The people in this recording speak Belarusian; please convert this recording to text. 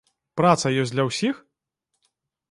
Праца ёсць для ўсіх?